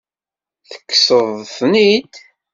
Tekkseḍ-ten-id?